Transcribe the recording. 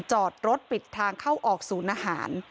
จอดรถปิดทางเข้าออกศูนย์อาหาร